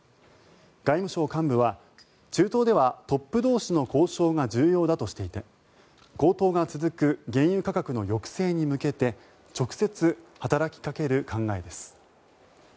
外務省幹部は中東ではトップ同士の交渉が重要だとしていて高騰が続く原油価格の抑制に向けて直接働きかける考えです。